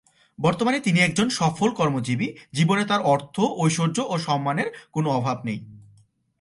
বর্তমানে তিনি একজন সফল কর্মজীবী, জীবনে তার অর্থ, ঐশ্বর্য ও সম্মানের কোনো অভাব নেই।